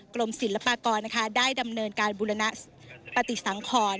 กรมศิลปากรได้ดำเนินการบุรณปฏิสังขร